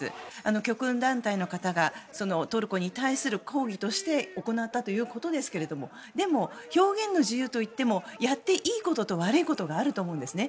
極右団体の方がトルコに対する抗議として行ったということですけれどもでも、表現の自由といってもやっていいことと悪いことがあると思うんですね。